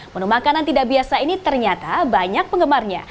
menu makanan tidak biasa ini ternyata banyak penggemarnya